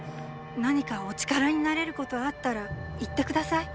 何かお力になれることあったら言って下さい。